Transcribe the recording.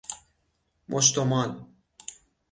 مشت و مال